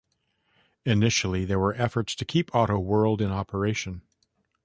Initially, there were efforts to keep AutoWorld in operation.